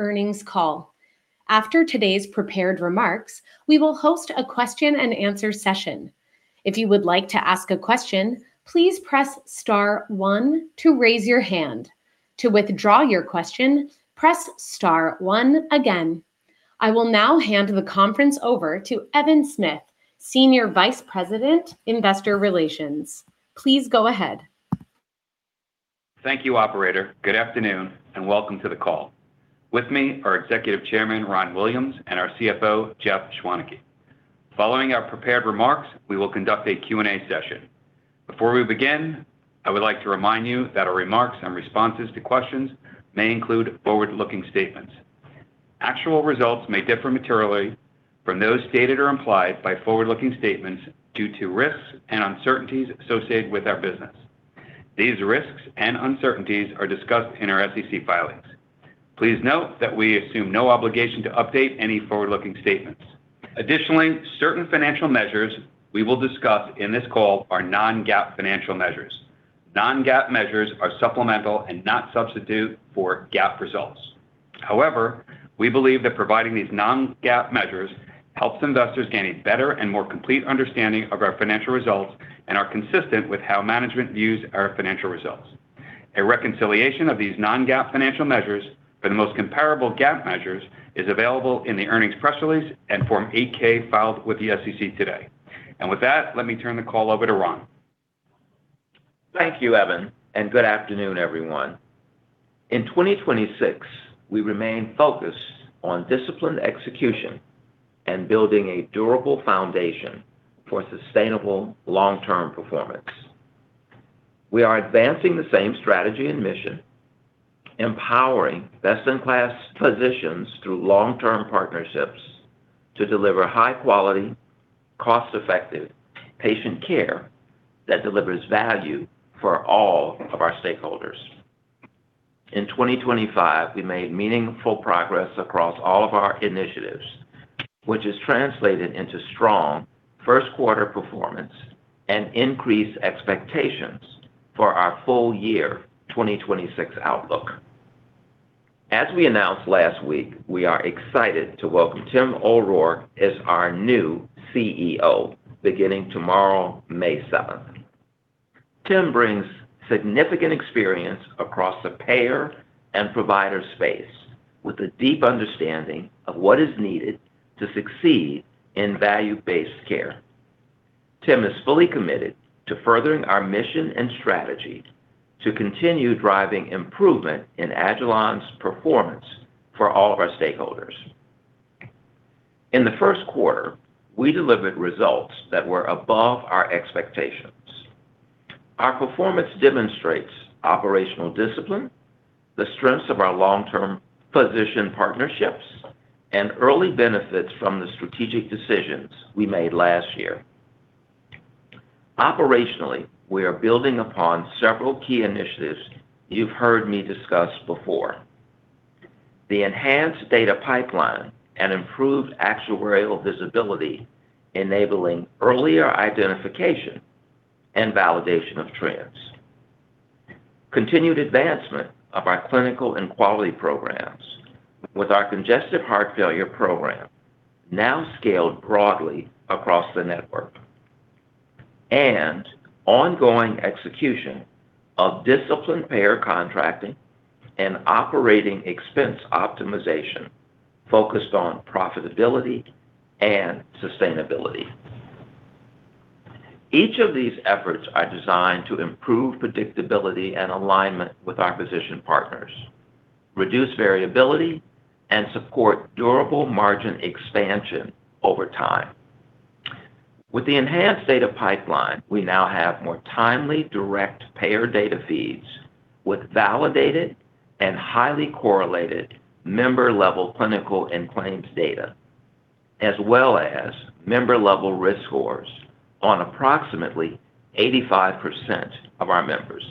Earnings call. After today's prepared remarks, we will host a question and answer session. If you would like to ask a question, please press star one to raise your hand. To withdraw your question, press star one again. I will now hand the conference over to Evan Smith, Senior Vice President, Investor Relations. Please go ahead. Thank you, operator. Good afternoon, and welcome to the call. With me are Executive Chairman Ron Williams and our CFO, Jeff Schwaneke. Following our prepared remarks, we will conduct a Q&A session. Before we begin, I would like to remind you that our remarks and responses to questions may include forward-looking statements. Actual results may differ materially from those stated or implied by forward-looking statements due to risks and uncertainties associated with our business. These risks and uncertainties are discussed in our SEC filings. Please note that we assume no obligation to update any forward-looking statements. Additionally, certain financial measures we will discuss in this call are non-GAAP financial measures. Non-GAAP measures are supplemental and not substitute for GAAP results. However, we believe that providing these non-GAAP measures helps investors gain a better and more complete understanding of our financial results and are consistent with how management views our financial results. A reconciliation of these non-GAAP financial measures for the most comparable GAAP measures is available in the earnings press release and Form 8-K filed with the SEC today. With that, let me turn the call over to Ron. Thank you, Evan. Good afternoon, everyone. In 2026, we remain focused on disciplined execution and building a durable foundation for sustainable long-term performance. We are advancing the same strategy and mission, empowering best-in-class physicians through long-term partnerships to deliver high-quality, cost-effective patient care that delivers value for all of our stakeholders. In 2025, we made meaningful progress across all of our initiatives, which has translated into strong first quarter performance and increased expectations for our full year 2026 outlook. As we announced last week, we are excited to welcome Tim O'Rourke as our new CEO beginning tomorrow, May 7th. Tim brings significant experience across the payer and provider space with a deep understanding of what is needed to succeed in value-based care. Tim is fully committed to furthering our mission and strategy to continue driving improvement in agilon's performance for all of our stakeholders. In the first quarter, we delivered results that were above our expectations. Our performance demonstrates operational discipline, the strengths of our long-term physician partnerships, and early benefits from the strategic decisions we made last year. Operationally, we are building upon several key initiatives you've heard me discuss before, the enhanced data pipeline and improved actuarial visibility enabling earlier identification and validation of trends, continued advancement of our clinical and quality programs with our congestive heart failure program now scaled broadly across the network, and ongoing execution of disciplined payer contracting and operating expense optimization focused on profitability and sustainability. Each of these efforts are designed to improve predictability and alignment with our physician partners, reduce variability, and support durable margin expansion over time. With the enhanced data pipeline, we now have more timely direct payer data feeds with validated and highly correlated member-level clinical and claims data, as well as member-level risk scores on approximately 85% of our members.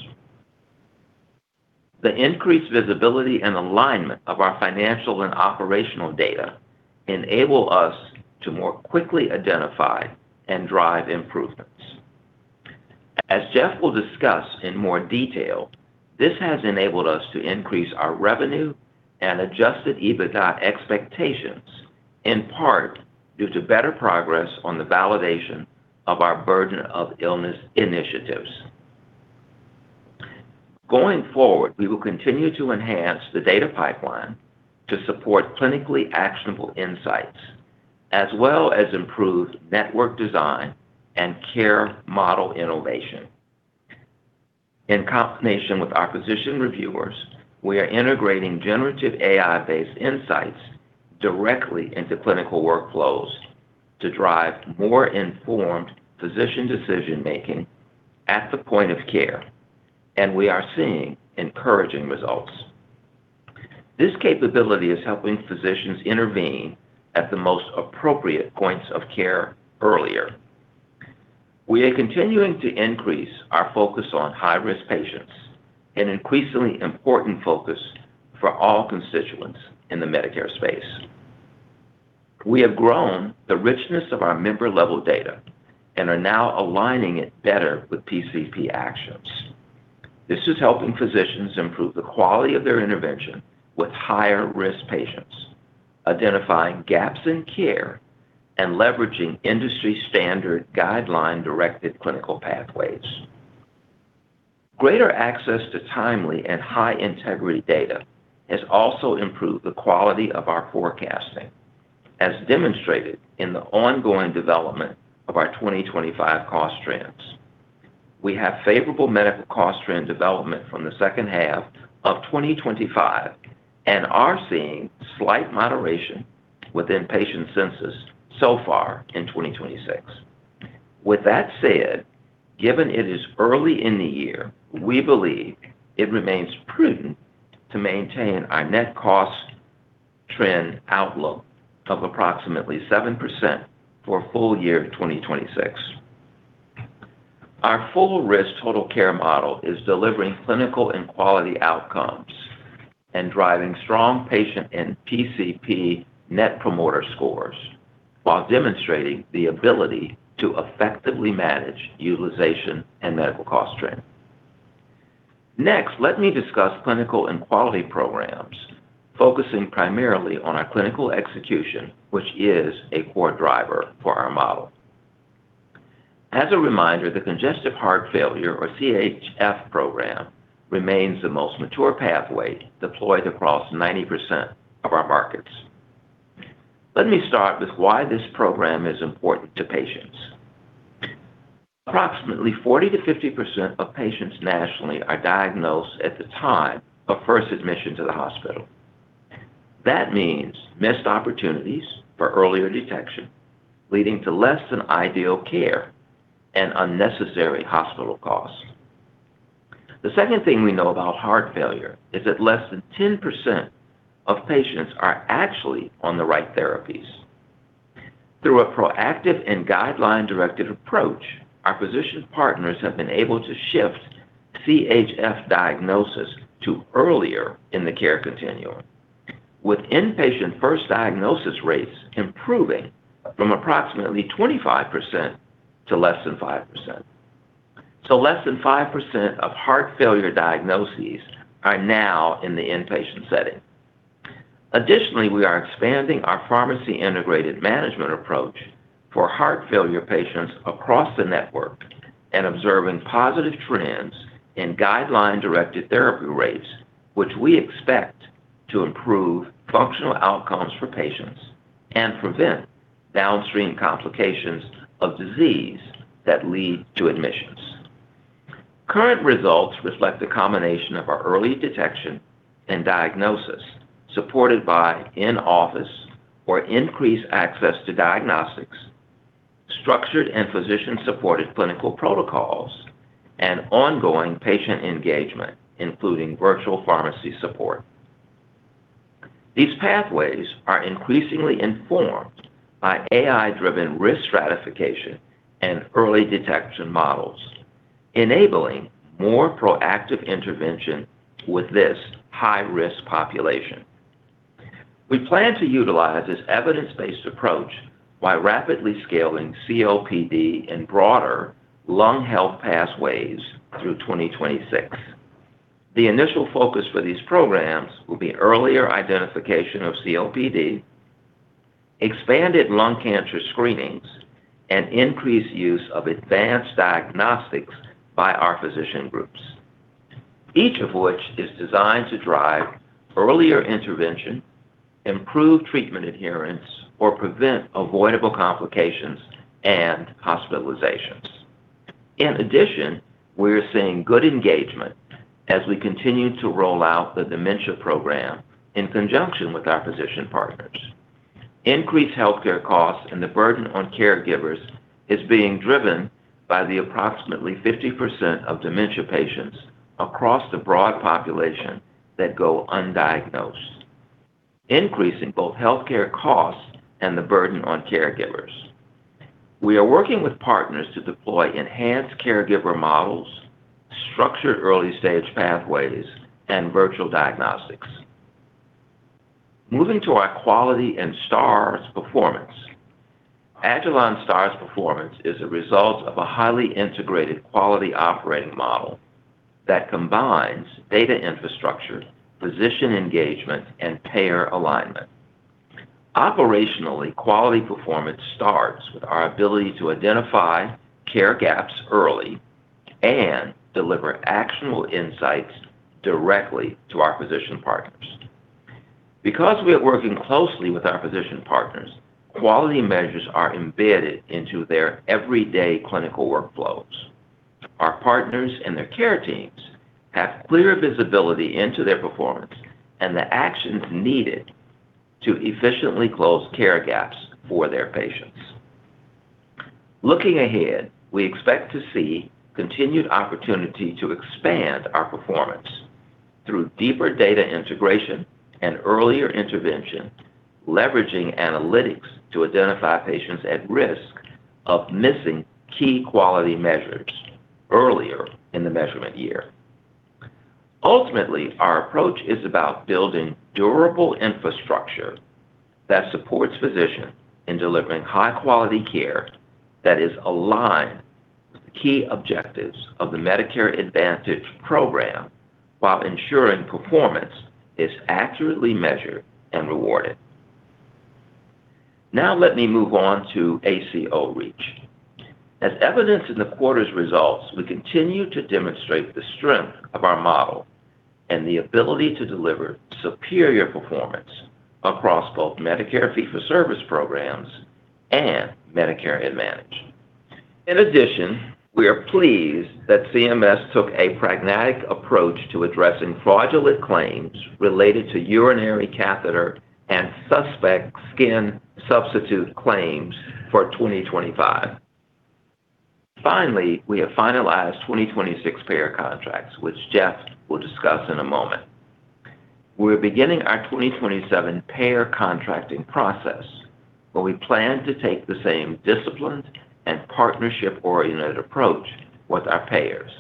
The increased visibility and alignment of our financial and operational data enable us to more quickly identify and drive improvements. As Jeff will discuss in more detail, this has enabled us to increase our revenue and Adjusted EBITDA expectations, in part due to better progress on the validation of our burden of illness initiatives. Going forward, we will continue to enhance the data pipeline to support clinically actionable insights, as well as improve network design and care model innovation. In combination with our physician reviewers, we are integrating generative AI-based insights directly into clinical workflows to drive more informed physician decision-making at the point of care. We are seeing encouraging results. This capability is helping physicians intervene at the most appropriate points of care earlier. We are continuing to increase our focus on high-risk patients, an increasingly important focus for all constituents in the Medicare space. We have grown the richness of our member-level data and are now aligning it better with PCP actions. This is helping physicians improve the quality of their intervention with higher-risk patients, identifying gaps in care, and leveraging industry-standard guideline-directed clinical pathways. Greater access to timely and high-integrity data has also improved the quality of our forecasting, as demonstrated in the ongoing development of our 2025 cost trends. We have favorable medical cost trend development from the second half of 2025 and are seeing slight moderation within patient census so far in 2026. With that said, given it is early in the year, we believe it remains prudent to maintain our net cost trend outlook of approximately 7% for full year 2026. Our full-risk total care model is delivering clinical and quality outcomes, and driving strong patient and PCP Net Promoter Scores, while demonstrating the ability to effectively manage utilization and medical cost trend. Let me discuss clinical and quality programs, focusing primarily on our clinical execution, which is a core driver for our model. As a reminder, the congestive heart failure, or CHF program, remains the most mature pathway deployed across 90% of our markets. Let me start with why this program is important to patients. Approximately 40%-50% of patients nationally are diagnosed at the time of first admission to the hospital. That means missed opportunities for earlier detection, leading to less than ideal care and unnecessary hospital costs. The second thing we know about heart failure is that less than 10% of patients are actually on the right therapies. Through a proactive and guideline-directed approach, our physician partners have been able to shift CHF diagnosis to earlier in the care continuum, with inpatient first diagnosis rates improving from approximately 25% to less than 5%. Less than 5% of heart failure diagnoses are now in the inpatient setting. Additionally, we are expanding our pharmacy-integrated management approach for heart failure patients across the network and observing positive trends in guideline-directed therapy rates, which we expect to improve functional outcomes for patients and prevent downstream complications of disease that lead to admissions. Current results reflect the combination of our early detection and diagnosis supported by in-office or increased access to diagnostics, structured and physician-supported clinical protocols, and ongoing patient engagement, including virtual pharmacy support. These pathways are increasingly informed by AI-driven risk stratification and early detection models, enabling more proactive intervention with this high-risk population. We plan to utilize this evidence-based approach while rapidly scaling COPD and broader lung health pathways through 2026. The initial focus for these programs will be earlier identification of COPD, expanded lung cancer screenings, and increased use of advanced diagnostics by our physician groups, each of which is designed to drive earlier intervention, improve treatment adherence, or prevent avoidable complications and hospitalizations. We are seeing good engagement as we continue to roll out the dementia program in conjunction with our physician partners. Increased healthcare costs and the burden on caregivers is being driven by the approximately 50% of dementia patients across the broad population that go undiagnosed, increasing both healthcare costs and the burden on caregivers. We are working with partners to deploy enhanced caregiver models, structured early-stage pathways, and virtual diagnostics. Moving to our quality and Stars performance. agilon health's Stars performance is a result of a highly integrated quality operating model that combines data infrastructure, physician engagement, and payer alignment. Operationally, quality performance starts with our ability to identify care gaps early and deliver actionable insights directly to our physician partners. We are working closely with our physician partners, quality measures are embedded into their everyday clinical workflows. Our partners and their care teams have clear visibility into their performance and the actions needed to efficiently close care gaps for their patients. Looking ahead, we expect to see continued opportunity to expand our performance through deeper data integration and earlier intervention, leveraging analytics to identify patients at risk of missing key quality measures earlier in the measurement year. Ultimately, our approach is about building durable infrastructure that supports physicians in delivering high-quality care that is aligned with the key objectives of the Medicare Advantage program while ensuring performance is accurately measured and rewarded. Let me move on to ACO REACH. As evidenced in the quarter's results, we continue to demonstrate the strength of our model and the ability to deliver superior performance across both Medicare fee-for-service programs and Medicare Advantage. We are pleased that CMS took a pragmatic approach to addressing fraudulent claims related to urinary catheter and suspect skin substitute claims for 2025. We have finalized 2026 payer contracts, which Jeff will discuss in a moment. We're beginning our 2027 payer contracting process, where we plan to take the same disciplined and partnership-oriented approach with our payers,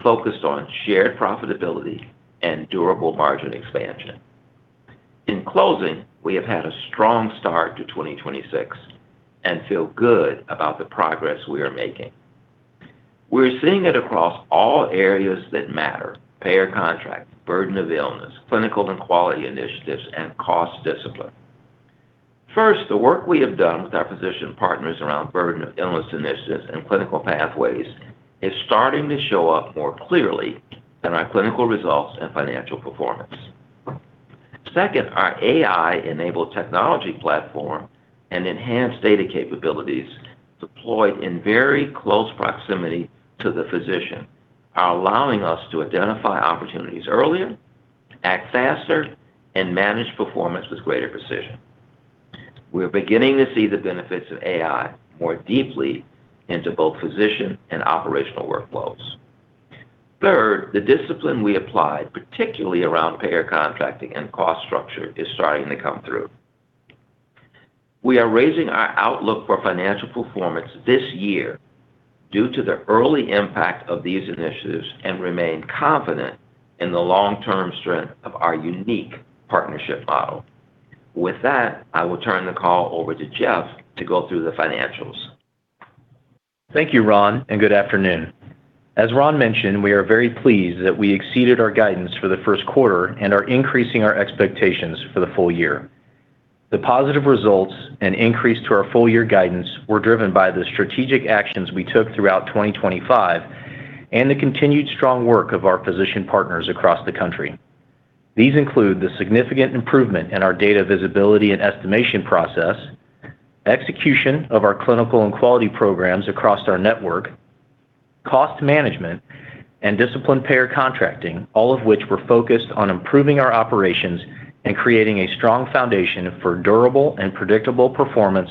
focused on shared profitability and durable margin expansion. In closing, we have had a strong start to 2026 and feel good about the progress we are making. We're seeing it across all areas that matter, payer contract, burden of illness, clinical and quality initiatives, and cost discipline. First, the work we have done with our physician partners around burden of illness initiatives and clinical pathways is starting to show up more clearly in our clinical results and financial performance. Second, our AI-enabled technology platform and enhanced data capabilities deployed in very close proximity to the physician are allowing us to identify opportunities earlier, act faster, and manage performance with greater precision. We are beginning to see the benefits of AI more deeply into both physician and operational workflows. Third, the discipline we applied, particularly around payer contracting and cost structure, is starting to come through. We are raising our outlook for financial performance this year due to the early impact of these initiatives and remain confident in the long-term strength of our unique partnership model. With that, I will turn the call over to Jeff to go through the financials. Thank you, Ron. Good afternoon. As Ron mentioned, we are very pleased that we exceeded our guidance for the first quarter and are increasing our expectations for the full year. The positive results and increase to our full-year guidance were driven by the strategic actions we took throughout 2025 and the continued strong work of our physician partners across the country. These include the significant improvement in our data visibility and estimation process, execution of our clinical and quality programs across our network, cost management, and disciplined payer contracting, all of which were focused on improving our operations and creating a strong foundation for durable and predictable performance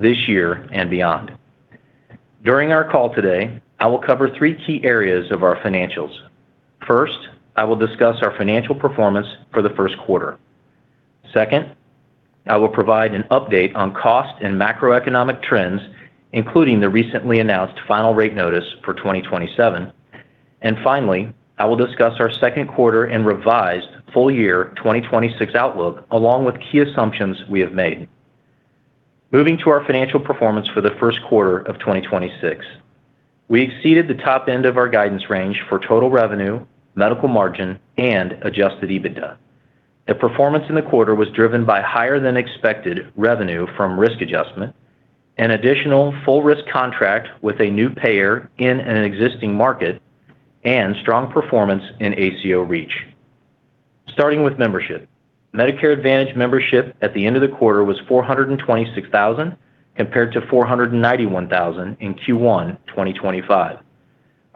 this year and beyond. During our call today, I will cover three key areas of our financials. First, I will discuss our financial performance for the first quarter. Second, I will provide an update on cost and macroeconomic trends, including the recently announced final rate notice for 2027. Finally, I will discuss our second quarter and revised full-year 2026 outlook, along with key assumptions we have made. Moving to our financial performance for the first quarter of 2026. We exceeded the top end of our guidance range for total revenue, medical margin, and Adjusted EBITDA. The performance in the quarter was driven by higher-than-expected revenue from risk adjustment, an additional full risk contract with a new payer in an existing market, and strong performance in ACO REACH. Starting with membership. Medicare Advantage membership at the end of the quarter was 426,000 compared to 491,000 in Q1 2025.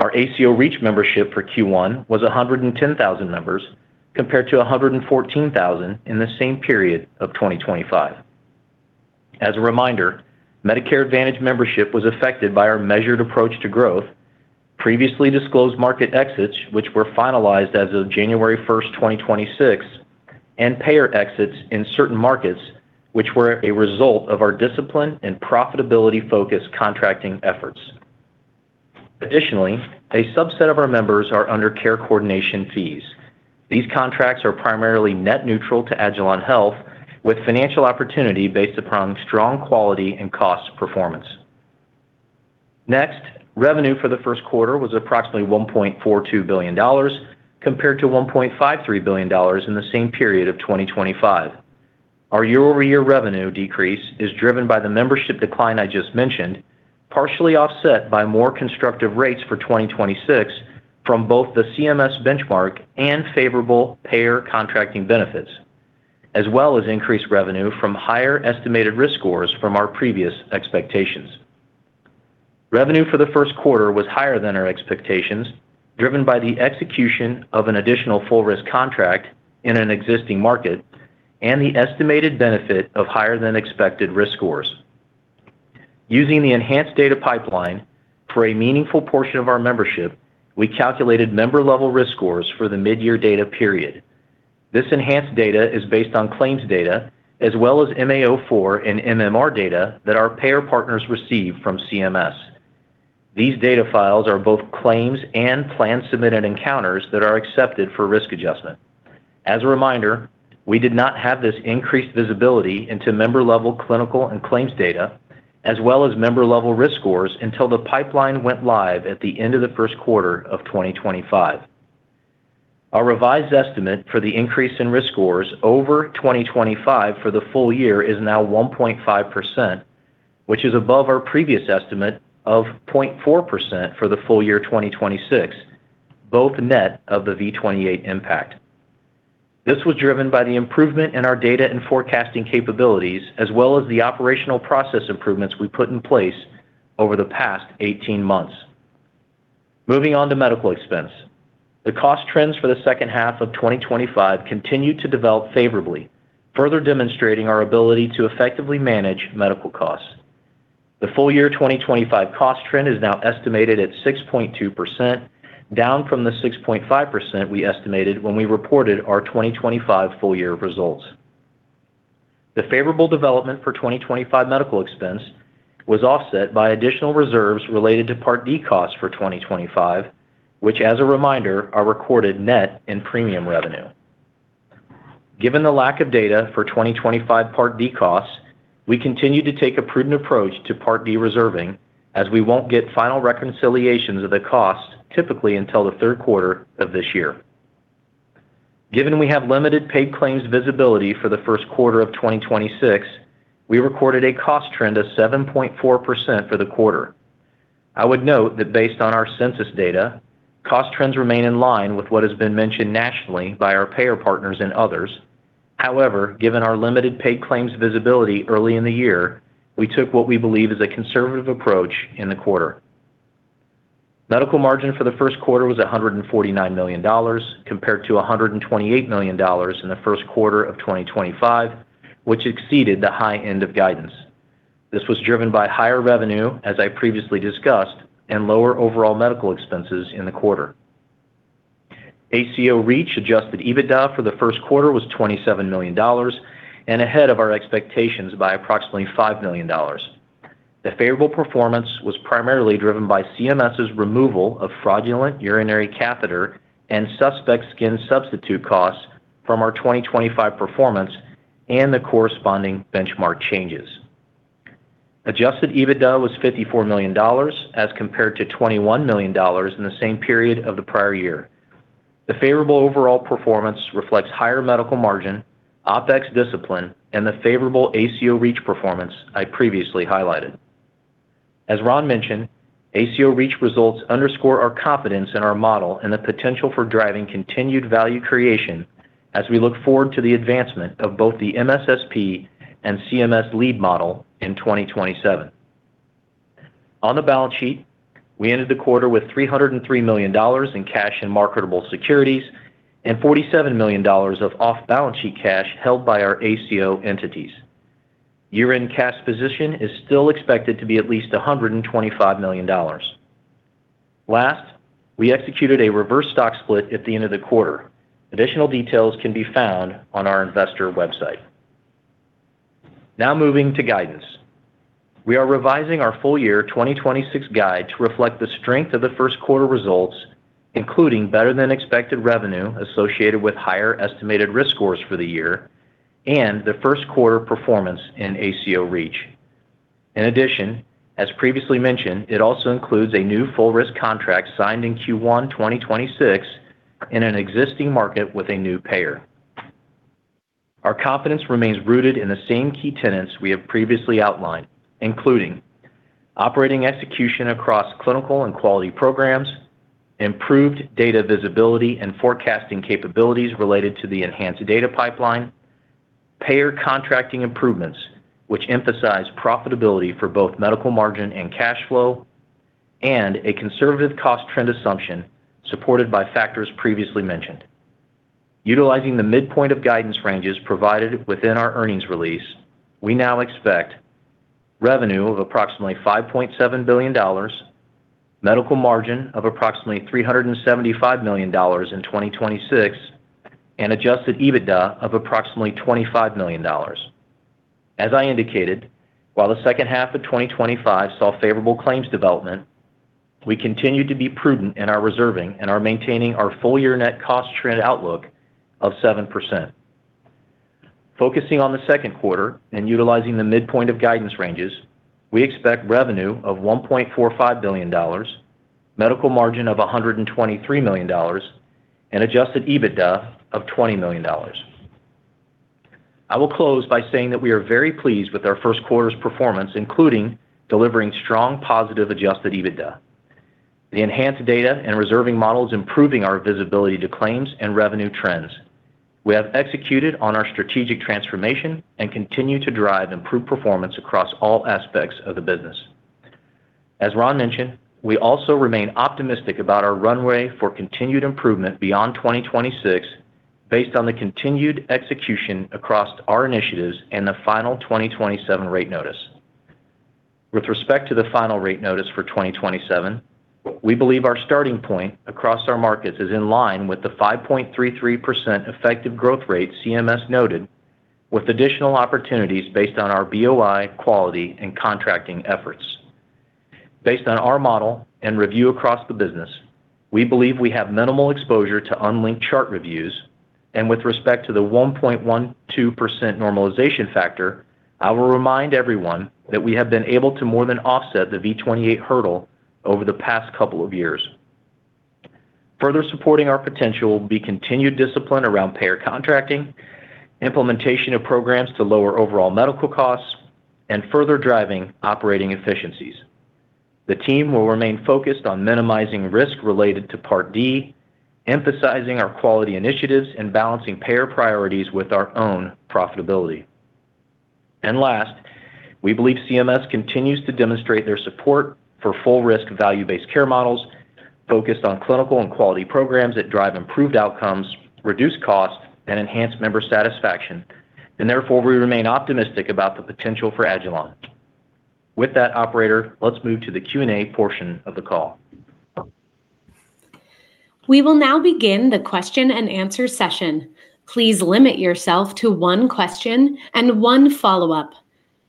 Our ACO REACH membership for Q1 was 110,000 members compared to 114,000 in the same period of 2025. As a reminder, Medicare Advantage membership was affected by our measured approach to growth, previously disclosed market exits, which were finalized as of January first, 2026, and payer exits in certain markets, which were a result of our discipline and profitability-focused contracting efforts. Additionally, a subset of our members are under care coordination fees. These contracts are primarily net neutral to agilon health, with financial opportunity based upon strong quality and cost performance. Revenue for the first quarter was approximately $1.42 billion compared to $1.53 billion in the same period of 2025. Our year-over-year revenue decrease is driven by the membership decline I just mentioned, partially offset by more constructive rates for 2026 from both the CMS benchmark and favorable payer contracting benefits, as well as increased revenue from higher estimated risk scores from our previous expectations. Revenue for the first quarter was higher than our expectations, driven by the execution of an additional one full risk contract in an existing market and the estimated benefit of higher-than-expected risk scores. Using the enhanced data pipeline for a meaningful portion of our membership, we calculated member-level risk scores for the mid-year data period. This enhanced data is based on claims data as well as MAO-004 and MMR data that our payer partners receive from CMS. These data files are both claims and plan-submitted encounters that are accepted for risk adjustment. As a reminder, we did not have this increased visibility into member-level clinical and claims data, as well as member-level risk scores until the pipeline went live at the end of the first quarter of 2025. Our revised estimate for the increase in risk scores over 2025 for the full year is now 1.5%, which is above our previous estimate of 0.4% for the full year 2026, both net of the V28 impact. This was driven by the improvement in our data and forecasting capabilities, as well as the operational process improvements we put in place over the past 18 months. Moving on to medical expense. The cost trends for the second half of 2025 continue to develop favorably, further demonstrating our ability to effectively manage medical costs. The full year 2025 cost trend is now estimated at 6.2%, down from the 6.5% we estimated when we reported our 2025 full year results. The favorable development for 2025 medical expense was offset by additional reserves related to Part D costs for 2025, which as a reminder, are recorded net in premium revenue. Given the lack of data for 2025 Part D costs, we continue to take a prudent approach to Part D reserving, as we won't get final reconciliations of the cost typically until the third quarter of this year. Given we have limited paid claims visibility for the first quarter of 2026, we recorded a cost trend of 7.4% for the quarter. I would note that based on our census data, cost trends remain in line with what has been mentioned nationally by our payer partners and others. Given our limited paid claims visibility early in the year, we took what we believe is a conservative approach in the quarter. Medical margin for the first quarter was $149 million, compared to $128 million in the first quarter of 2025, which exceeded the high end of guidance. This was driven by higher revenue, as I previously discussed, and lower overall medical expenses in the quarter. ACO REACH Adjusted EBITDA for the first quarter was $27 million and ahead of our expectations by approximately $5 million. The favorable performance was primarily driven by CMS's removal of fraudulent urinary catheter and suspect skin substitute costs from our 2025 performance and the corresponding benchmark changes. Adjusted EBITDA was $54 million as compared to $21 million in the same period of the prior year. The favorable overall performance reflects higher medical margin, OpEx discipline, and the favorable ACO REACH performance I previously highlighted. As Ron mentioned, ACO REACH results underscore our confidence in our model and the potential for driving continued value creation as we look forward to the advancement of both the MSSP and CMS lead model in 2027. On the balance sheet, we ended the quarter with $303 million in cash and marketable securities and $47 million of off-balance sheet cash held by our ACO entities. Year-end cash position is still expected to be at least $125 million. Last, we executed a reverse stock split at the end of the quarter. Additional details can be found on our investor website. Moving to guidance. We are revising our full year 2026 guide to reflect the strength of the first quarter results, including better than expected revenue associated with higher estimated risk scores for the year and the first quarter performance in ACO REACH. In addition, as previously mentioned, it also includes a new full risk contract signed in Q1 2026 in an existing market with a new payer. Our confidence remains rooted in the same key tenets we have previously outlined, including operating execution across clinical and quality programs, improved data visibility and forecasting capabilities related to the enhanced data pipeline, payer contracting improvements, which emphasize profitability for both medical margin and cash flow, and a conservative cost trend assumption supported by factors previously mentioned. Utilizing the midpoint of guidance ranges provided within our earnings release, we now expect revenue of approximately $5.7 billion, medical margin of approximately $375 million in 2026, and Adjusted EBITDA of approximately $25 million. As I indicated, while the second half of 2025 saw favorable claims development, we continue to be prudent in our reserving and are maintaining our full year net cost trend outlook of 7%. Focusing on the second quarter and utilizing the midpoint of guidance ranges, we expect revenue of $1.45 billion, medical margin of $123 million, and Adjusted EBITDA of $20 million. I will close by saying that we are very pleased with our first quarter's performance, including delivering strong positive Adjusted EBITDA. The enhanced data and reserving models improving our visibility to claims and revenue trends. We have executed on our strategic transformation and continue to drive improved performance across all aspects of the business. As Ron mentioned, we also remain optimistic about our runway for continued improvement beyond 2026 based on the continued execution across our initiatives and the final 2027 rate notice. With respect to the final rate notice for 2027, we believe our starting point across our markets is in line with the 5.33% effective growth rate CMS noted. With additional opportunities based on our BOI quality and contracting efforts. Based on our model and review across the business, we believe we have minimal exposure to unlinked chart reviews. With respect to the 1.12% normalization factor, I will remind everyone that we have been able to more than offset the V28 hurdle over the past couple of years. Further supporting our potential will be continued discipline around payer contracting, implementation of programs to lower overall medical costs, and further driving operating efficiencies. The team will remain focused on minimizing risk related to Part D, emphasizing our quality initiatives, and balancing payer priorities with our own profitability. Last, we believe CMS continues to demonstrate their support for full risk value-based care models focused on clinical and quality programs that drive improved outcomes, reduce costs and enhance member satisfaction. Therefore, we remain optimistic about the potential for agilon. With that, operator, let's move to the Q&A portion of the call. We will now begin the question and answer session. Please limit yourself to one question and one follow-up.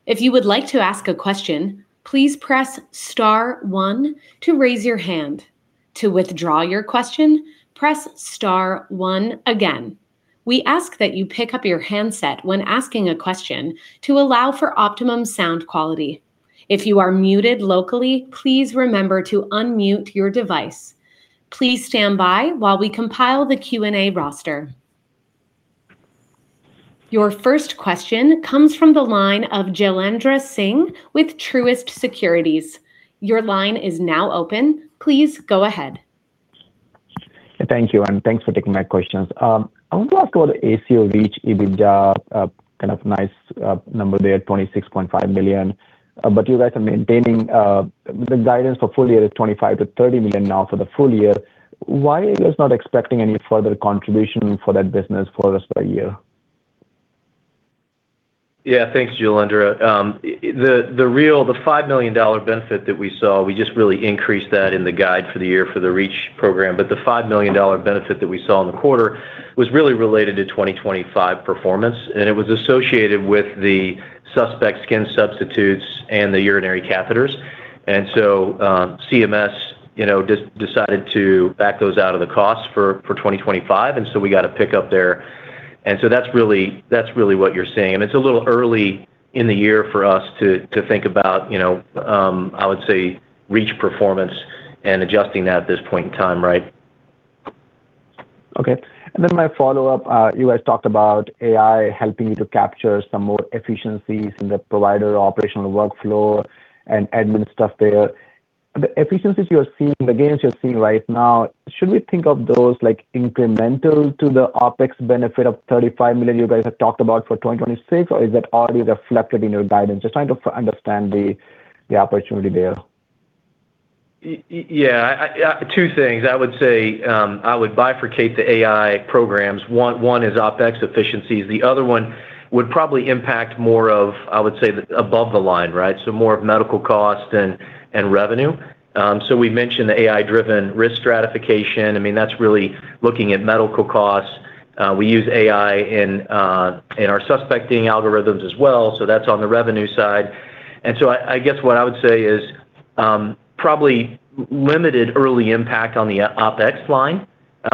If you would like to ask a question, please press star one to raise your hand. To withdraw your question, press star one again. We ask that you pick up your handset when asking a question to allow for optimum sound quality. If you are muted locally, please remember to unmute your device. Please stand by while we compile the Q&A roster. Your first question comes from the line of Jailendra Singh with Truist Securities. Your line is now open. Please go ahead. Thank you. Thanks for taking my questions. I want to ask about the ACO REACH EBITDA, kind of nice, number there, $26.5 million. You guys are maintaining the guidance for full year is $25 million-$30 million now for the full year. Why are you guys not expecting any further contribution for that business for the rest of the year? Thanks, Jailendra. The real, the $5 million benefit that we saw, we just really increased that in the guide for the year for the REACH program. The $5 million benefit that we saw in the quarter was really related to 2025 performance, and it was associated with the suspect skin substitutes and the urinary catheters. CMS, you know, decided to back those out of the cost for 2025, we got a pick up there. That's really what you're seeing. It's a little early in the year for us to think about, you know, I would say REACH performance and adjusting that at this point in time, right? Okay. My follow-up, you guys talked about AI helping you to capture some more efficiencies in the provider operational workflow and admin stuff there. The efficiencies you are seeing, the gains you're seeing right now, should we think of those, like, incremental to the OpEx benefit of $35 million you guys have talked about for 2026, or is that already reflected in your guidance? Just trying to understand the opportunity there. Yeah. Two things. I would say, I would bifurcate the AI programs. One is OpEx efficiencies. The other one would probably impact more of, I would say, the above the line, right? More of medical cost and revenue. We mentioned the AI-driven risk stratification. I mean, that's really looking at medical costs. We use AI in our suspecting algorithms as well, that's on the revenue side. I guess what I would say is, probably limited early impact on the OpEx line,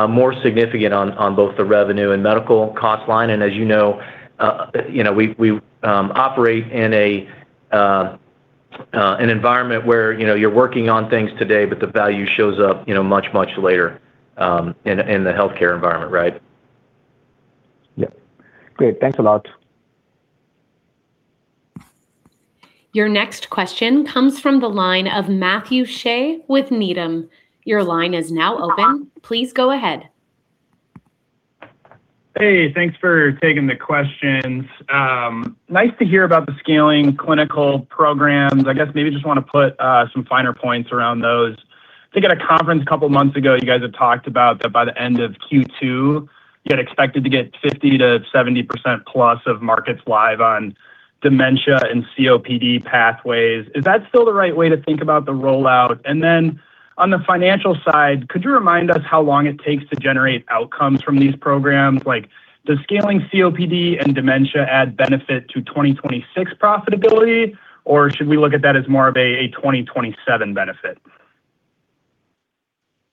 more significant on both the revenue and medical cost line. As you know, you know, we operate in an environment where, you know, you're working on things today, but the value shows up, you know, much later in the healthcare environment, right? Yeah. Great. Thanks a lot. Your next question comes from the line of Matthew Shea with Needham. Your line is now open. Please go ahead. Hey, thanks for taking the questions. Nice to hear about the scaling clinical programs. I guess maybe just want to put some finer points around those. I think at a conference a couple months ago, you guys had talked about that by the end of Q2, you had expected to get 50%-70% plus of markets live on dementia and COPD pathways. Is that still the right way to think about the rollout? On the financial side, could you remind us how long it takes to generate outcomes from these programs? Like, does scaling COPD and dementia add benefit to 2026 profitability, or should we look at that as more of a 2027 benefit?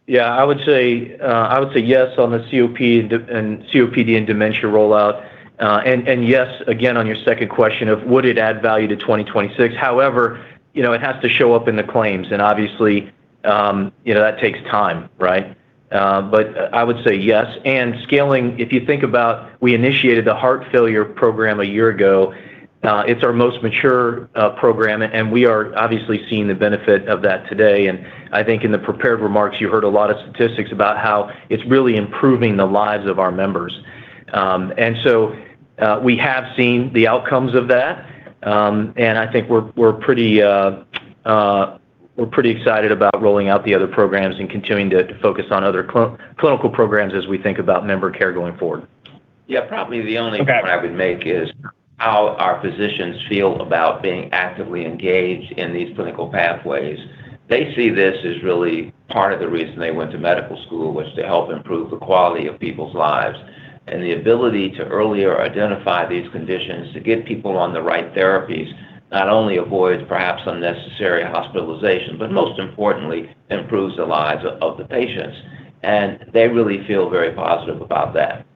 Yeah, I would say yes on the COPD and dementia rollout. Yes, again, on your second question of would it add value to 2026. However, you know, it has to show up in the claims, and obviously, you know, that takes time, right? I would say yes. Scaling, if you think about, we initiated the heart failure program a year ago. It's our most mature program, and we are obviously seeing the benefit of that today. I think in the prepared remarks, you heard a lot of statistics about how it's really improving the lives of our members. We have seen the outcomes of that. I think we're pretty excited about rolling out the other programs and continuing to focus on other clinical programs as we think about member care going forward. Probably the only point I would make is how our physicians feel about being actively engaged in these clinical pathways. They see this as really part of the reason they went to medical school, which is to help improve the quality of people's lives. The ability to earlier identify these conditions, to get people on the right therapies, not only avoids perhaps unnecessary hospitalization, but most importantly, improves the lives of the patients. They really feel very positive about that.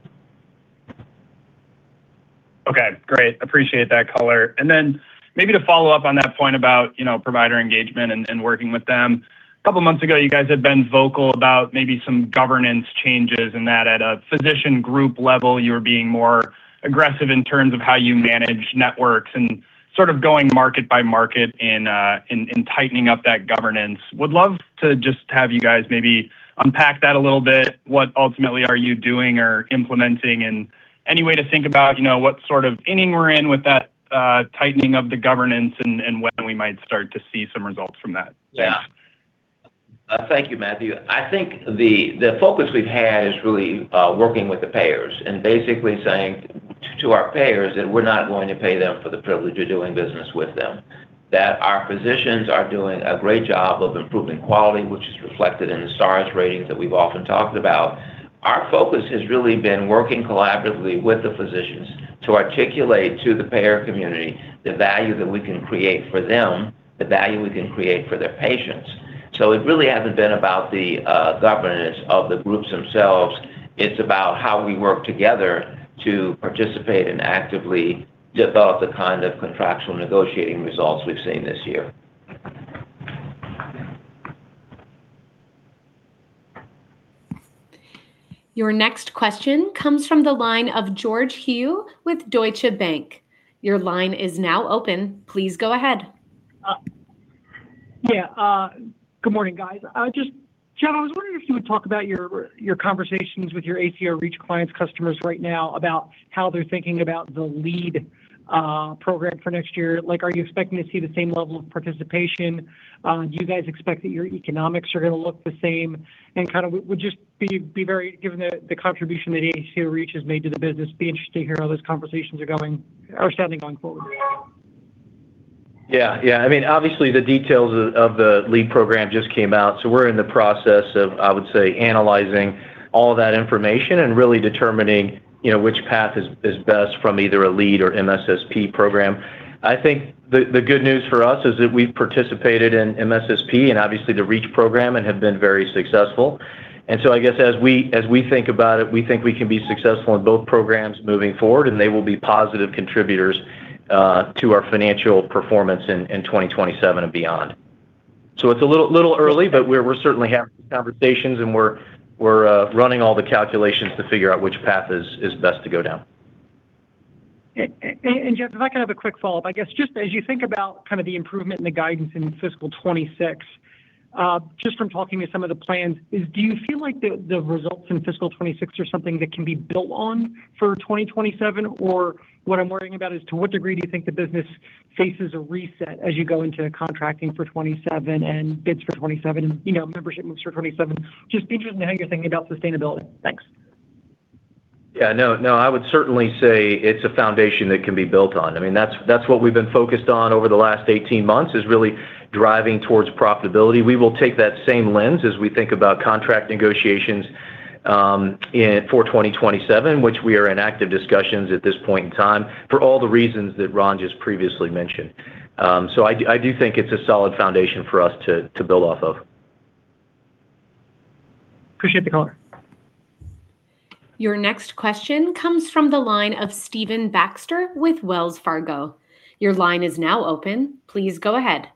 Okay, great. Appreciate that color. Then maybe to follow up on that point about, you know, provider engagement and working with them. A couple months ago, you guys had been vocal about maybe some governance changes, and that at a physician group level, you were being more aggressive in terms of how you manage networks and sort of going market by market and tightening up that governance. Would love to just have you guys maybe unpack that a little bit. What ultimately are you doing or implementing? Any way to think about, you know, what sort of inning we're in with that tightening of the governance and when we might start to see some results from that? Thanks. Yeah. Thank you, Matthew. I think the focus we've had is really working with the payers and basically saying to our payers that we're not going to pay them for the privilege of doing business with them. That our physicians are doing a great job of improving quality, which is reflected in the Star Ratings that we've often talked about. Our focus has really been working collaboratively with the physicians to articulate to the payer community the value that we can create for them, the value we can create for their patients. It really hasn't been about the governance of the groups themselves, it's about how we work together to participate and actively develop the kind of contractual negotiating results we've seen this year. Your next question comes from the line of George Hill with Deutsche Bank. Your line is now open. Please go ahead. Yeah. Good morning, guys. Just, Jeff, I was wondering if you would talk about your conversations with your ACO REACH clients, customers right now about how they're thinking about the REACH program for next year. Like, are you expecting to see the same level of participation? Do you guys expect that your economics are gonna look the same? Given the contribution that ACO REACH has made to the business, it'd be interesting to hear how those conversations are going or standing going forward. Yeah. Yeah. I mean, obviously, the details of the lead program just came out, so we're in the process of, I would say, analyzing all that information and really determining, you know, which path is best from either a lead or MSSP program. I think the good news for us is that we've participated in MSSP and obviously the Reach program and have been very successful. I guess as we think about it, we think we can be successful in both programs moving forward, and they will be positive contributors to our financial performance in 2027 and beyond. It's a little early, but we're certainly having conversations and we're running all the calculations to figure out which path is best to go down. Jeff, if I could have a quick follow-up. I guess, just as you think about kind of the improvement in the guidance in fiscal 2026, just from talking to some of the plans, is do you feel like the results in fiscal 2026 are something that can be built on for 2027? What I'm worrying about is to what degree do you think the business faces a reset as you go into contracting for 2027 and bids for 2027, you know, membership moves for 2027. Just be interested in how you're thinking about sustainability. Thanks. Yeah, no, I would certainly say it's a foundation that can be built on. I mean, that's what we've been focused on over the last 18 months, is really driving towards profitability. We will take that same lens as we think about contract negotiations, in, for 2027, which we are in active discussions at this point in time for all the reasons that Ron just previously mentioned. I do think it's a solid foundation for us to build off of. Appreciate the color. Your next question comes from the line of Stephen Baxter with Wells Fargo. Your line is now open. Please go ahead.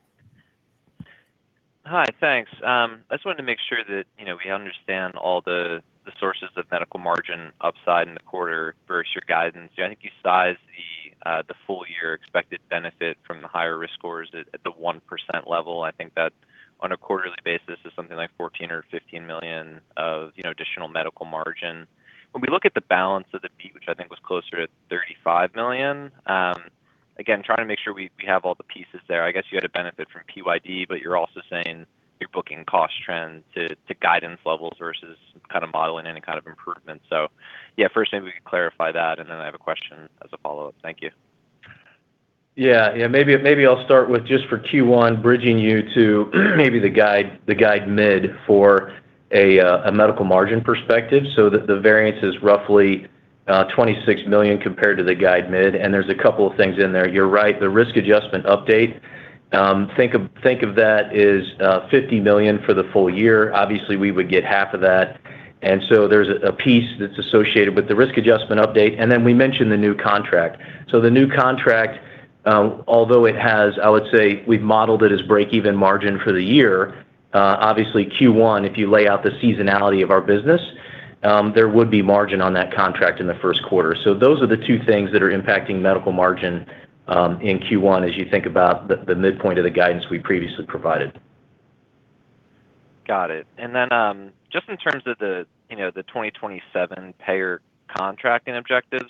Hi. Thanks. I just wanted to make sure that, you know, we understand all the sources of medical margin upside in the quarter versus your guidance. I think you sized the full year expected benefit from the higher risk scores at the 1% level. I think that on a quarterly basis is something like $14 million or $15 million of, you know, additional medical margin. When we look at the balance of the peak, which I think was closer to $35 million, again, trying to make sure we have all the pieces there. I guess you had a benefit from Part D. You're also saying you're booking cost trends to guidance levels versus kind of modeling any kind of improvement. Yeah, first maybe we can clarify that, and then I have a question as a follow-up. Thank you. Yeah. Yeah. Maybe, maybe I'll start with just for Q1 bridging you to maybe the guide, the guide mid for a medical margin perspective, so that the variance is roughly $26 million compared to the guide mid, and there's a couple of things in there. You're right, the risk adjustment update, think of that as $50 million for the full year. Obviously, we would get half of that. There's a piece that's associated with the risk adjustment update, and then we mentioned the new contract. The new contract, although it has, I would say we've modeled it as break-even margin for the year, obviously Q1, if you lay out the seasonality of our business, there would be margin on that contract in the first quarter. Those are the two things that are impacting medical margin in Q1 as you think about the midpoint of the guidance we previously provided. Got it. Just in terms of the, you know, the 2027 payer contracting objectives,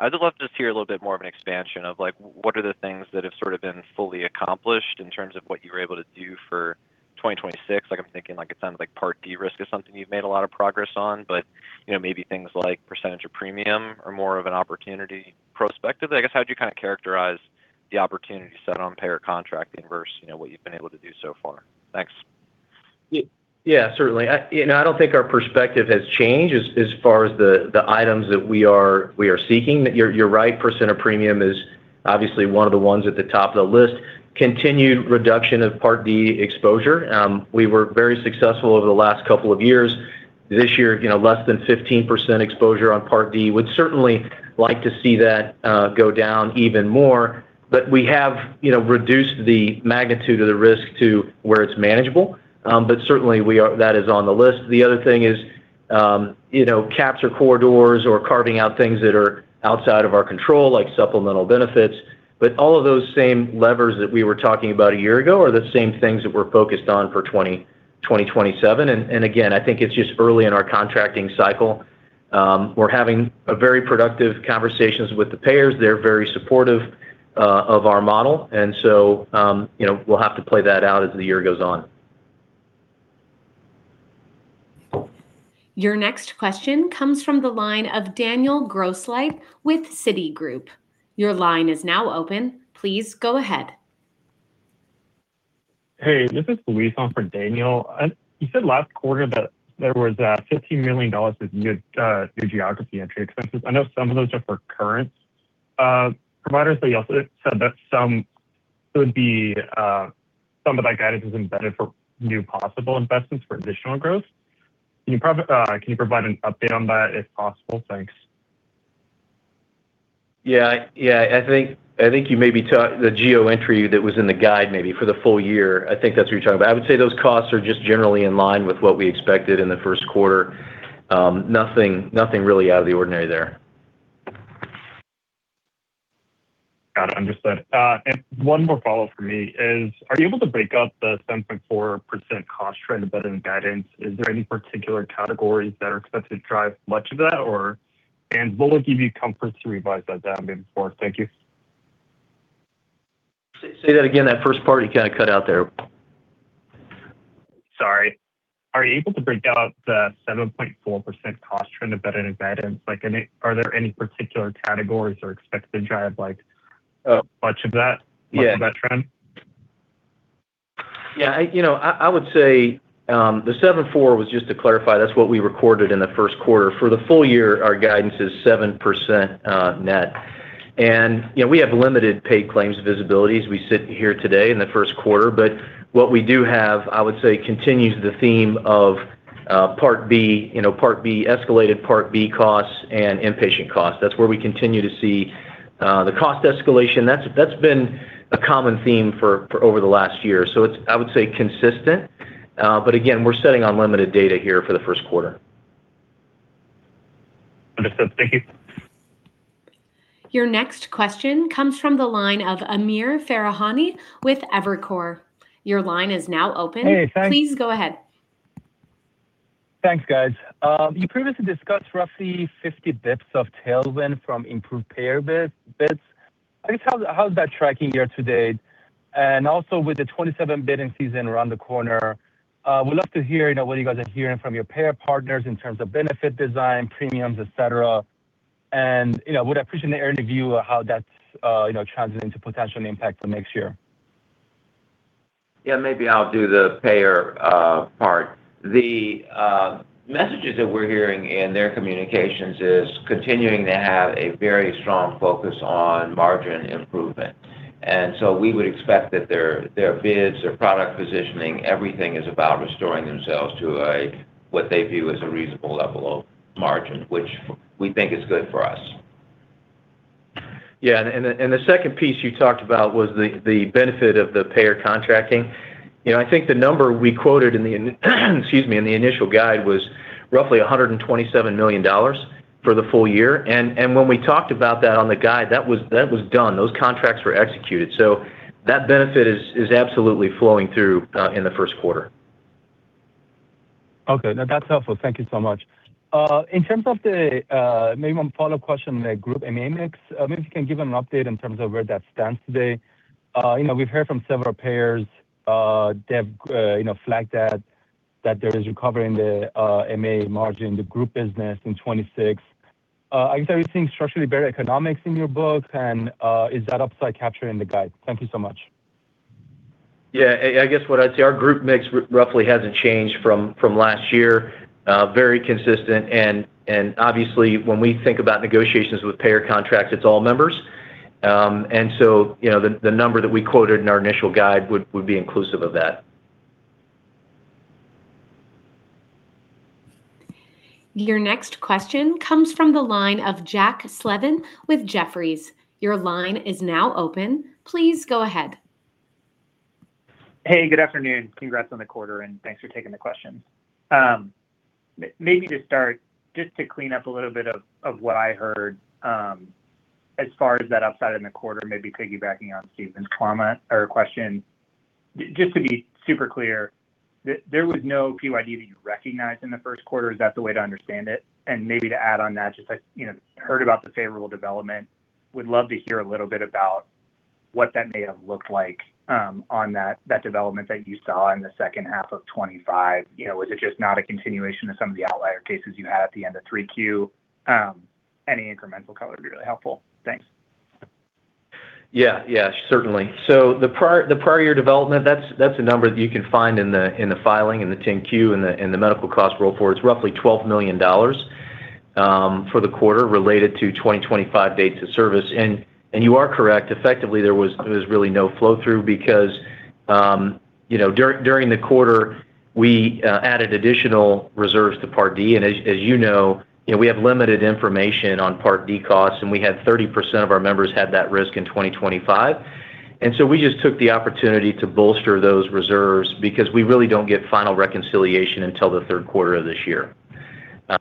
I'd love to just hear a little bit more of an expansion of like what are the things that have sort of been fully accomplished in terms of what you were able to do for 2026. Like I'm thinking like it sounds like Part D risk is something you've made a lot of progress on, but you know, maybe things like percentage of premium are more of an opportunity prospectively. I guess, how would you kind of characterize the opportunity set on payer contracting versus, you know, what you've been able to do so far? Thanks. Yeah, certainly. I, you know, I don't think our perspective has changed as far as the items that we are seeking. You're right, percent of premium is obviously one of the ones at the top of the list. Continued reduction of Part D exposure. We were very successful over the last couple of years. This year, you know, less than 15% exposure on Part D. Would certainly like to see that go down even more. We have, you know, reduced the magnitude of the risk to where it's manageable. Certainly, that is on the list. The other thing is, you know, risk corridors or carving out things that are outside of our control, like supplemental benefits. All of those same levers that we were talking about a year ago are the same things that we're focused on for 2027. Again, I think it's just early in our contracting cycle. We're having a very productive conversations with the payers. They're very supportive of our model. You know, we'll have to play that out as the year goes on. Your next question comes from the line of Daniel Grosslight with Citigroup. Your line is now open. Please go ahead. Hey, this is Luis on for Daniel. You said last quarter that there was $15 million of new geographic entry expenses. I know some of those are for current providers, but you also said that some would be, some of that guidance is embedded for new possible investments for additional growth. Can you provide an update on that if possible? Thanks. Yeah. Yeah. I think you may be the geographic entry that was in the guide maybe for the full year, I think that's what you're talking about. I would say those costs are just generally in line with what we expected in the first quarter. Nothing really out of the ordinary there. Got it, understood. One more follow-up from me is, are you able to break out the 7.4% cost trend embedded in guidance? Is there any particular categories that are expected to drive much of that? What would give you comfort to revise that down moving forward? Thank you. Say that again. That first part you kind of cut out there. Sorry. Are you able to break out the 7.4% cost trend embedded in guidance? Like, are there any particular categories expected to drive, like, much of that? Yeah. Much of that trend? Yeah, you know, I would say, the 7.4 was just to clarify, that's what we recorded in the first quarter. For the full year, our guidance is 7%, net. You know, we have limited paid claims visibility as we sit here today in the first quarter. What we do have, I would say, continues the theme of Part B, you know, Part B escalated, Part B costs, and inpatient costs. That's where we continue to see the cost escalation. That's been a common theme for over the last year. It's, I would say, consistent. Again, we're sitting on limited data here for the first quarter. Understood. Thank you. Your next question comes from the line of [Amir Farahani] with Evercore. Hey, thanks. Please go ahead. Thanks, guys. You previously discussed roughly 50 basis points of tailwind from improved payer bids. I guess how's that tracking year to date? Also with the 2027 bidding season around the corner, would love to hear, you know, what you guys are hearing from your payer partners in terms of benefit design, premiums, et cetera. You know, would appreciate any view of how that's, you know, translating to potential impact for next year. Yeah, maybe I'll do the payer part. The messages that we're hearing in their communications is continuing to have a very strong focus on margin improvement. We would expect that their bids, their product positioning, everything is about restoring themselves to a, what they view as a reasonable level of margin, which we think is good for us. Yeah, the second piece you talked about was the benefit of the payer contracting. You know, I think the number we quoted in the, excuse me, in the initial guide was roughly $127 million for the full year. When we talked about that on the guide, that was done. Those contracts were executed. That benefit is absolutely flowing through in the first quarter. Okay. No, that's helpful. Thank you so much. In terms of the, maybe one follow-up question, the group MA mix, maybe if you can give an update in terms of where that stands today. You know, we've heard from several payers, they have, you know, flagged that there is recovery in the MA margin, the group business in 2026. I guess, are we seeing structurally better economics in your books, and is that upside captured in the guide? Thank you so much. Yeah. I guess what I'd say, our group mix roughly hasn't changed from last year. Very consistent. Obviously, when we think about negotiations with payer contracts, it's all members. You know, the number that we quoted in our initial guide would be inclusive of that. Your next question comes from the line of Jack Slevin with Jefferies. Your line is now open. Please go ahead. Hey, good afternoon. Congrats on the quarter, thanks for taking the questions. Maybe to start, just to clean up a little bit of what I heard, as far as that upside in the quarter, maybe piggybacking on Stephen's comment or question. Just to be super clear, there was no Part D that you recognized in the first quarter. Is that the way to understand it? Maybe to add on that, just I, you know, heard about the favorable development. Would love to hear a little bit about what that may have looked like on that development that you saw in the second half of 2025. You know, was it just not a continuation of some of the outlier cases you had at the end of 3Q? Any incremental color would be really helpful. Thanks. Yeah. Certainly. The prior year development, that's a number that you can find in the filing, in the 10-Q, in the medical cost roll forward. It's roughly $12 million for the quarter related to 2025 dates of service. You are correct, effectively there was really no flow-through because, you know, during the quarter we added additional reserves to Part D. As you know, we have limited information on Part D costs, and we had 30% of our members have that risk in 2025. We just took the opportunity to bolster those reserves because we really don't get final reconciliation until the third quarter of this year.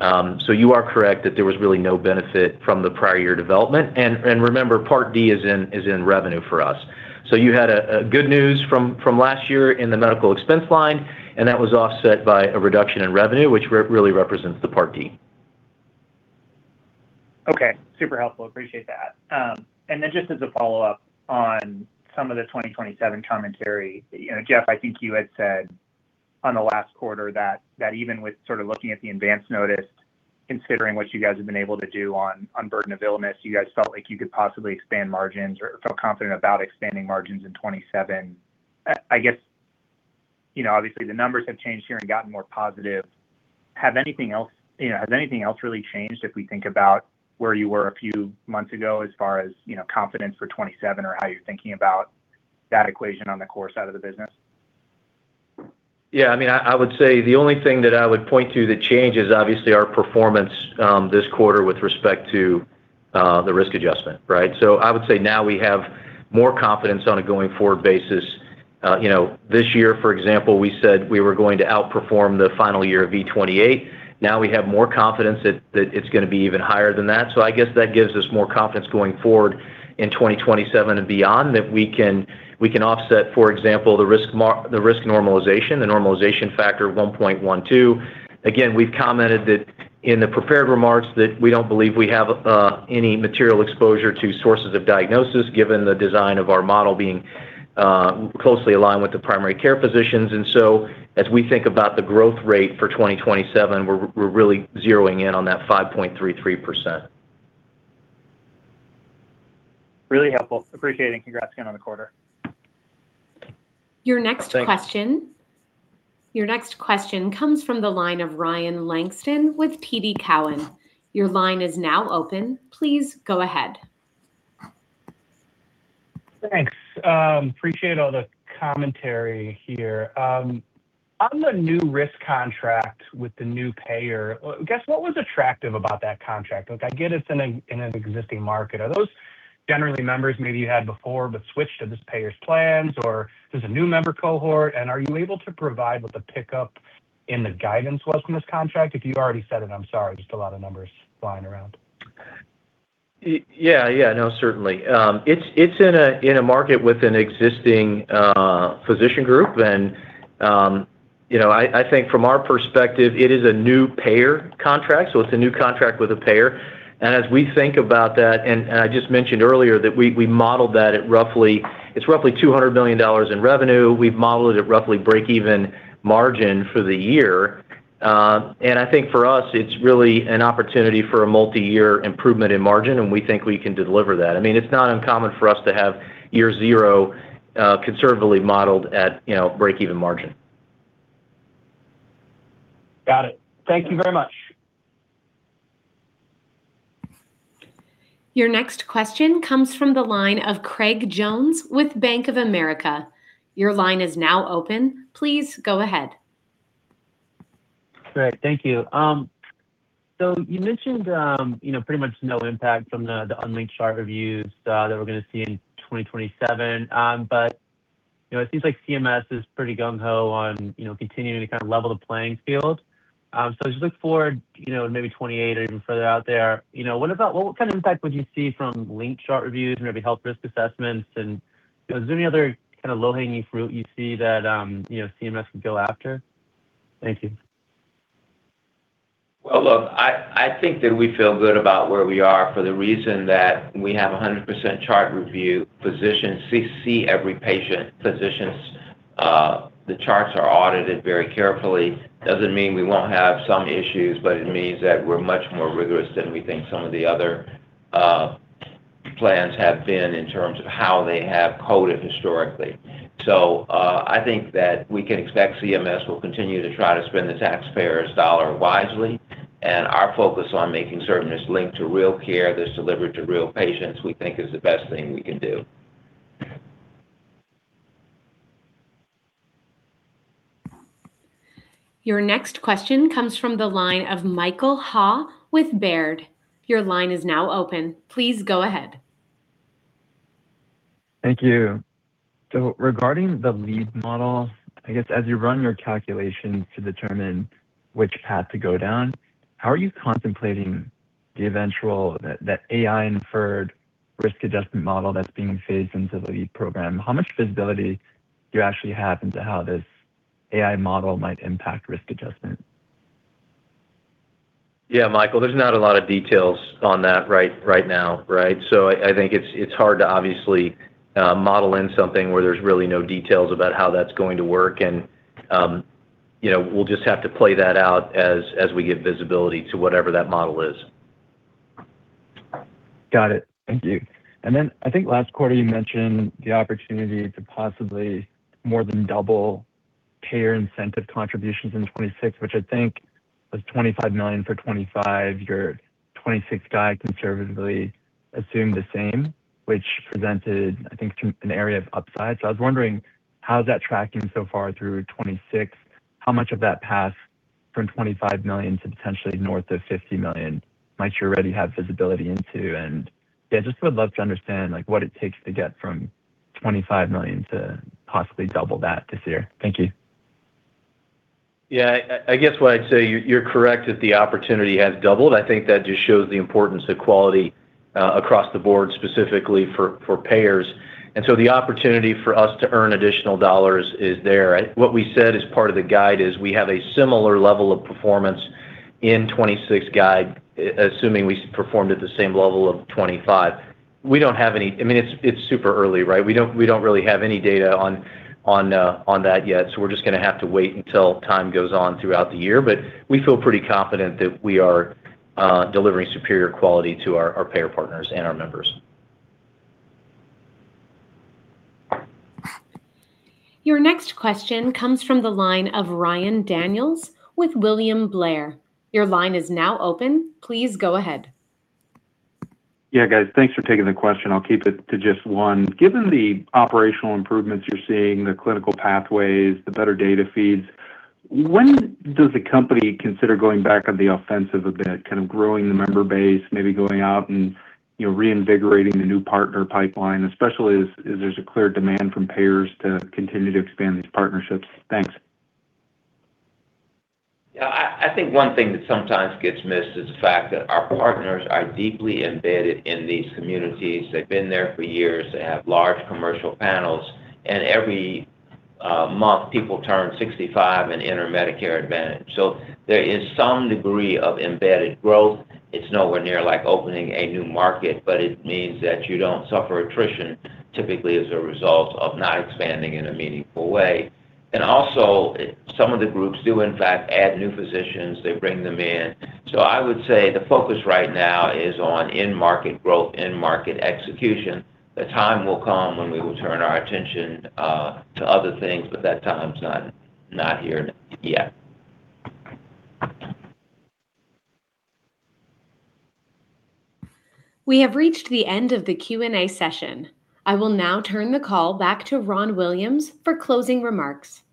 You are correct that there was really no benefit from the prior year development. Remember Part D is in revenue for us. You had a good news from last year in the medical expense line, and that was offset by a reduction in revenue, which really represents the Part D. Okay. Super helpful. Appreciate that. Then just as a follow-up on some of the 2027 commentary. You know, Jeff, I think you had said on the last quarter that even with sort of looking at the advance notice, considering what you guys have been able to do on burden of illness, you guys felt like you could possibly expand margins or feel confident about expanding margins in 2027. I guess, you know, obviously the numbers have changed here and gotten more positive. Have anything else, you know, has anything else really changed if we think about where you were a few months ago as far as, you know, confidence for 2027 or how you're thinking about that equation on the course out of the business? Yeah, I mean, I would say the only thing that I would point to that changed is obviously our performance this quarter with respect to the risk adjustment, right? I would say now we have more confidence on a going forward basis. You know, this year, for example, we said we were going to outperform the final year of V28. Now, we have more confidence that it's going to be even higher than that. I guess that gives us more confidence going forward in 2027 and beyond that we can offset, for example, the risk normalization, the normalization factor of 1.12. Again, we've commented that in the prepared remarks that we don't believe we have any material exposure to sources of diagnosis, given the design of our model being closely aligned with the primary care physicians. As we think about the growth rate for 2027, we're really zeroing in on that 5.33%. Really helpful. Appreciate it, and congrats again on the quarter. Your next question- Thanks. Your next question comes from the line of Ryan Langston with TD Cowen. Your line is now open. Please go ahead. Thanks. Appreciate all the commentary here. On the new risk contract with the new payer, I guess what was attractive about that contract? Look, I get it's in an existing market. Are those generally members maybe you had before but switched to this payer's plans, or is this a new member cohort? Are you able to provide what the pickup in the guidance was from this contract? If you already said it, I'm sorry, just a lot of numbers flying around. Yeah, yeah, no, certainly. It's in a market with an existing physician group. You know, I think from our perspective it is a new payer contract, so it's a new contract with a payer. As we think about that, and I just mentioned earlier that we modeled that at roughly It's roughly $200 million in revenue. We've modeled it at roughly break even margin for the year. I think for us it's really an opportunity for a multi-year improvement in margin, and we think we can deliver that. I mean, it's not uncommon for us to have year zero, conservatively modeled at, you know, break even margin. Got it. Thank you very much. Your next question comes from the line of Craig Jones with Bank of America. Your line is now open. Please go ahead. Great. Thank you. You mentioned, you know, pretty much no impact from the unlinked chart reviews, that we're gonna see in 2027. It seems like CMS is pretty gung-ho on, you know, continuing to kind of level the playing field. As you look forward, you know, maybe 2028 or even further out there, you know, what about what kind of impact would you see from linked chart reviews and maybe health risk assessments and, you know, is there any other kind of low-hanging fruit you see that, you know, CMS could go after? Thank you. Well, look, I think that we feel good about where we are for the reason that we have 100% chart review. Physicians see every patient. Physicians, the charts are audited very carefully. Doesn't mean we won't have some issues, but it means that we're much more rigorous than we think some of the other plans have been in terms of how they have coded historically. I think that we can expect CMS will continue to try to spend the taxpayer's dollar wisely, and our focus on making certain it's linked to real care that's delivered to real patients, we think is the best thing we can do. Your next question comes from the line of Michael Ha with Baird. Your line is now open. Please go ahead. Thank you. Regarding the REACH model, I guess as you run your calculations to determine which path to go down, how are you contemplating the eventual, that AI inferred risk adjustment model that's being phased into the REACH program? How much visibility do you actually have into how this AI model might impact risk adjustment? Yeah, Michael, there's not a lot of details on that right now, right? I think it's hard to obviously model in something where there's really no details about how that's going to work. You know, we'll just have to play that out as we get visibility to whatever that model is. Got it. Thank you. I think last quarter you mentioned the opportunity to possibly more than double payer incentive contributions in 2026, which I think was $25 million for 2025. Your 2026 guide conservatively assumed the same, which presented, I think, an area of upside. I was wondering how is that tracking so far through 2026? How much of that path from $25 million to potentially north of $50 million might you already have visibility into? Yeah, just would love to understand, like, what it takes to get from $25 million to possibly double that this year. Thank you. Yeah. I guess what I'd say, you're correct that the opportunity has doubled. I think that just shows the importance of quality across the board, specifically for payers. The opportunity for us to earn additional dollars is there. What we said as part of the guide is we have a similar level of performance in 2026 guide assuming we performed at the same level of 2025. I mean, it's super early, right? We don't really have any data on that yet, so we're just gonna have to wait until time goes on throughout the year. We feel pretty confident that we are delivering superior quality to our payer partners and our members. Your next question comes from the line of Ryan Daniels with William Blair. Your line is now open. Please go ahead. Yeah, guys. Thanks for taking the question. I'll keep it to just one. Given the operational improvements you're seeing, the clinical pathways, the better data feeds, when does the company consider going back on the offensive a bit, kind of growing the member base, maybe going out and, you know, reinvigorating the new partner pipeline, especially as there's a clear demand from payers to continue to expand these partnerships? Thanks. I think one thing that sometimes gets missed is the fact that our partners are deeply embedded in these communities. They've been there for years. They have large commercial panels. Every month, people turn 65 and enter Medicare Advantage. There is some degree of embedded growth. It's nowhere near like opening a new market, but it means that you don't suffer attrition typically as a result of not expanding in a meaningful way. Also, some of the groups do in fact add new physicians. They bring them in. I would say the focus right now is on in-market growth, in-market execution. The time will come when we will turn our attention to other things, but that time's not here yet. We have reached the end of the Q&A session. I will now turn the call back to Ron Williams for closing remarks.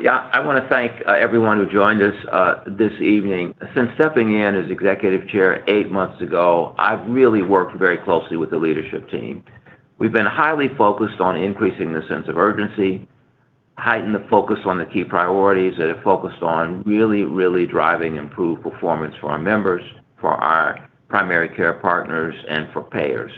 Yeah. I wanna thank everyone who joined us this evening. Since stepping in as Executive Chairman eight months ago, I've really worked very closely with the leadership team. We've been highly focused on increasing the sense of urgency, heightened the focus on the key priorities that have focused on really driving improved performance for our members, for our primary care partners, and for payers.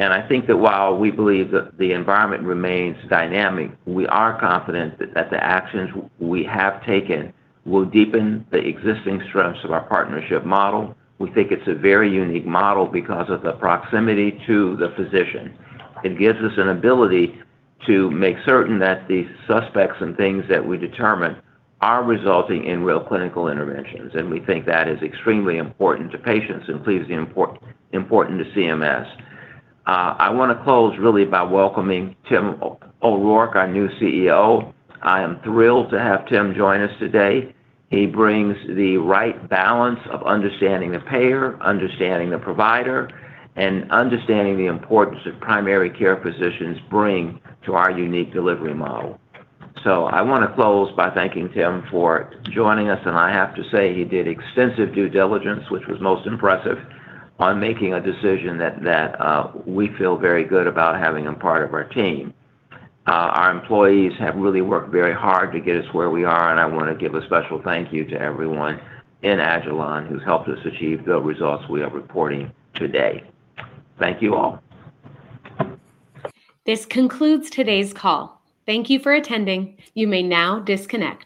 I think that while we believe that the environment remains dynamic, we are confident that the actions we have taken will deepen the existing strengths of our partnership model. We think it's a very unique model because of the proximity to the physician. It gives us an ability to make certain that the suspects and things that we determine are resulting in real clinical interventions, and we think that is extremely important to patients and clearly is important to CMS. I wanna close really by welcoming Tim O'Rourke, our new CEO. I am thrilled to have Tim join us today. He brings the right balance of understanding the payer, understanding the provider, and understanding the importance that primary care physicians bring to our unique delivery model. I wanna close by thanking Tim for joining us, and I have to say he did extensive due diligence, which was most impressive, on making a decision that we feel very good about having him part of our team. Our employees have really worked very hard to get us where we are, and I wanna give a special thank you to everyone in agilon who's helped us achieve the results we are reporting today. Thank you all. This concludes today's call. Thank you for attending. You may now disconnect.